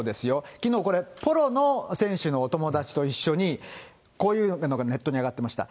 きのうこれ、ポロの選手のお友達と一緒に、こういうようなのがネットに上がってました。